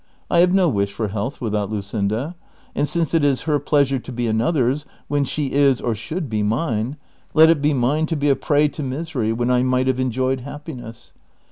I have no wish for health without Luscinda; and since it is her jjleasure to be another's, when she is or should be mine, let it be mine to be a prey to misery when I might have en joyed happiness.